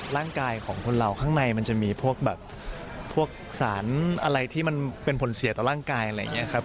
ร่างกายของคนเราข้างในมันจะมีพวกแบบพวกสารอะไรที่มันเป็นผลเสียต่อร่างกายอะไรอย่างนี้ครับ